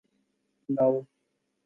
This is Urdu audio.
لاؤ